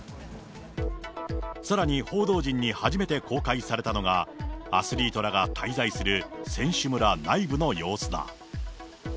さらに報道陣に初めて公開されたのが、アスリートらが滞在する選手村内部の様子だ。